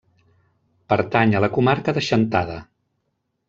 Pertany a la Comarca de Chantada.